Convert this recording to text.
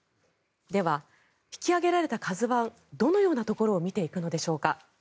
では、引き揚げられた「ＫＡＺＵ１」どのようなところを見ていくのでしょうか。